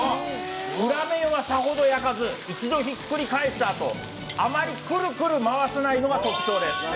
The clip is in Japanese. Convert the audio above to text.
裏面はさほど焼かず一度ひっくり返したあとあまりくるくる回さないのが特徴です。